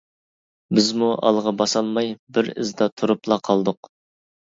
بىزمۇ ئالغا باسالماي، بىر ئىزدا تۇرۇپلا قالدۇق.